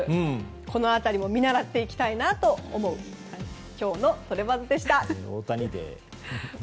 この辺りも見習っていきたいなと思う今日のトレバズでした。